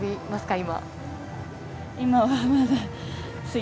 今。